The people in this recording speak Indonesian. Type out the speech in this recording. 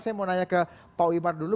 saya mau nanya ke pak wimar dulu